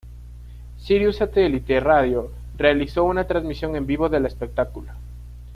Sirius Satellite Radio realizó una transmisión en vivo del espectáculo.